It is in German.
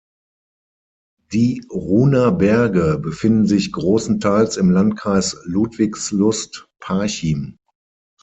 Die Ruhner Berge befinden sich großenteils im Landkreis Ludwigslust-Parchim.